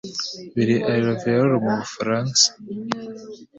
biri i Louviers mu Bufaransa